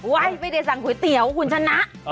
เว้ยไม่ได้สั่งขุยเตี๋ยวคุณชนะ